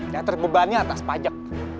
yang terbebani atas pajak